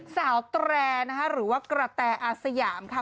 สาวตระหรือว่ากระแทอาสยามค่ะ